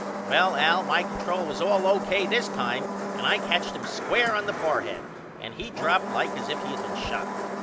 Well Al my control was all O.K. this time and I catched him square on the fourhead and he dropped like as if he had been shot.